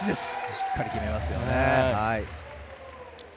しっかり決めますよね。